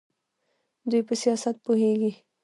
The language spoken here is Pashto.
دوی په سیاست پوهیږي.